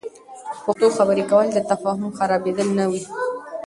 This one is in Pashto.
پښتو خبرې کول، د تفهم خرابیدل نه وي.